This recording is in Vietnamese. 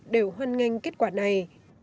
đều huân nganh kết quả này